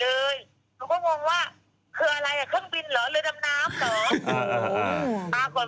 เขาก็งงว่าคืออะไรอ่ะเครื่องบินเหรอเรือดำน้ำเหรอ